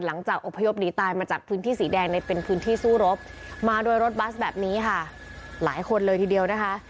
หลังจากอบพยพหนีตายมาจากพื้นที่สีแดงในเป็นพื้นที่สู้รบมาโดยรถบัสแบบนี้ค่ะหลายคนเลยทีเดียวนะคะ